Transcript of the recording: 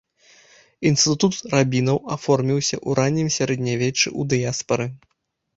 Інстытут рабінаў аформіўся ў раннім сярэднявеччы ў дыяспары.